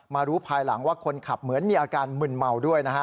รู้ภายหลังว่าคนขับเหมือนมีอาการมึนเมาด้วยนะฮะ